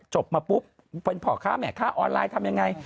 จบมาปุ๊บเป็นพ่อค้าแม่ค้าออนไลน์ทำยังไง